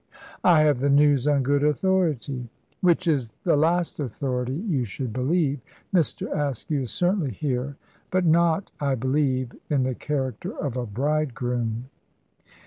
"I have the news on good authority." "Which is the last authority you should believe. Mr. Askew is certainly here; but not, I believe, in the character of a bridegroom."